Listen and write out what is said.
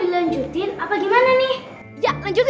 nanti dia akan menang